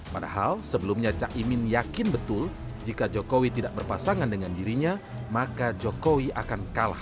padahal sebelumnya cak imin yakin betul jika jokowi tidak berpasangan dengan dirinya maka jokowi akan kalah